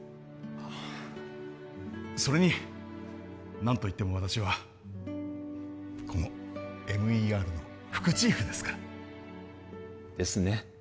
あそれに何といっても私はこのＭＥＲの副チーフですからですね